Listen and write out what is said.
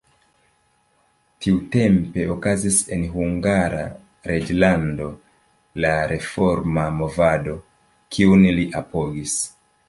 Tiutempe okazis en Hungara reĝlando la reforma movado, kiun li apogis.